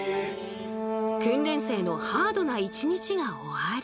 訓練生のハードな一日が終わる。